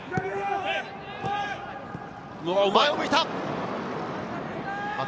前を向いた。